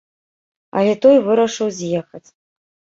Але той вырашыў з'ехаць.